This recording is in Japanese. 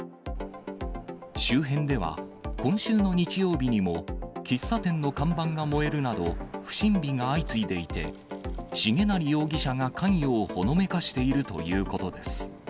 周辺では、今週の日曜日にも喫茶店の看板が燃えるなど、不審火が相次いでいて、重成容疑者が関与をほのめかしているということです。